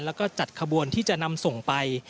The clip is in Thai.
แล้วก็จัดขบวนที่จะนำส่งไป